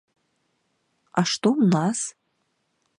А што ў нас?